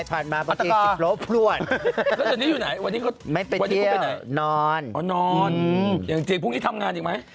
อย่างจริงพรุ่งนี้ทำงานอีกมั้ย